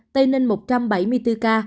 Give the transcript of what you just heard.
tây ninh một bảy mươi bốn ca